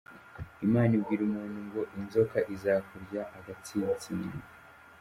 Imana ibwira umuntu ngo inzoka izakurya agatsinsino.